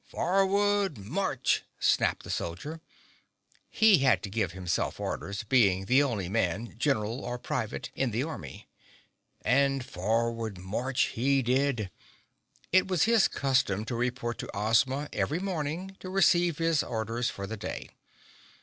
"Forward march!" snapped the soldier. He had to give himself orders, being the only man, general or private in the army. And forward march he did. It was his custom to report to Ozma every morning to receive his orders for the day.